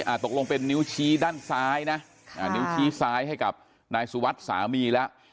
ตกลงเป็นนิ้วชี้ด้านซ้ายนะอ่านิ้วชี้ซ้ายให้กับนายสุวัสดิ์สามีแล้ว